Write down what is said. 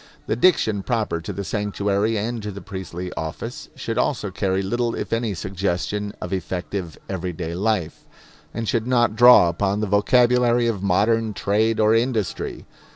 The diction proper to the sanctuary and to the priestly office should also carry little if any suggestion of effective everyday life, and should not draw upon the vocabulary of modern trade or industry.